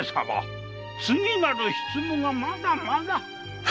次なる執務がまだまだ。